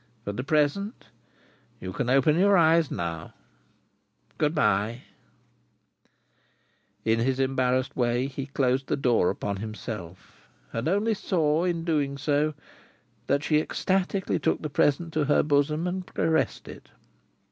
For the present—you can open your eyes now—good bye!" In his embarrassed way, he closed the door upon himself, and only saw, in doing so, that she ecstatically took the present to her bosom and caressed it.